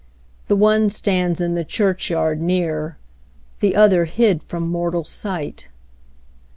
The one stands in the churchyard near, The other hid from mortal sight.